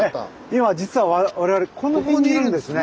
今実は我々この辺にいるんですね。